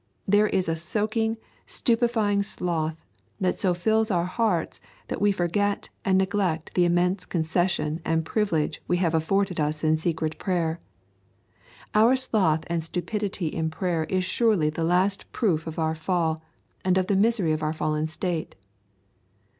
There is a soaking, stupefying sloth, that so fills our hearts that we forget and neglect the immense concession and privilege we have afforded us in secret prayer. Our sloth and stupidity in prayer is surely the last proof of our fall and of the misery of our fallen state.